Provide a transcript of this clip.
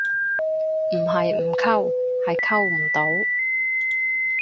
唔係唔溝，係溝唔到